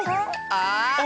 ああ！